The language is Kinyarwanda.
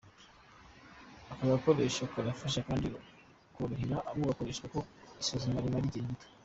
Aka gakoresho karafasha kandi korohera ugakoresha kuko isuzuma rimara igihe gito.